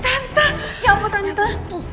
tante ya ampun tante